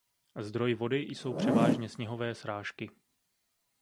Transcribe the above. Zdroj vody jsou převážně sněhové srážky.